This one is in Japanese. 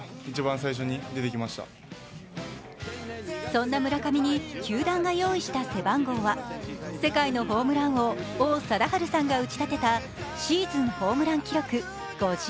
そんな村上に球団が用意した背番号は、世界のホームラン王・王貞治さんが打ち立てたシーズンホームラン記録５５。